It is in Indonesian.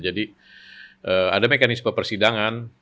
jadi ada mekanisme persidangan